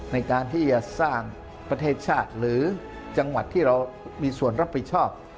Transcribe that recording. ในการที่จะสร้างประเทศชาติหรือจังหวัดที่เรามีส่วนรับผิดชอบ